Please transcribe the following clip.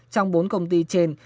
trong bốn công ty trên